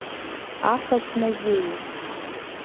Афатә мазеиуп.